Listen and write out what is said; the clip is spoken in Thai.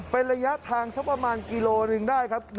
เป็นระยะทางสักประมาณกิโลหนึ่งได้ครับ